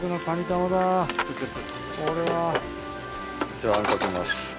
じゃああんかけます。